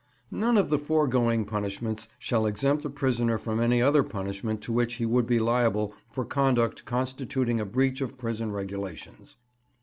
None of the foregoing punishments shall exempt a prisoner from any other punishment to which he would be liable for conduct constituting a breach of prison regulations.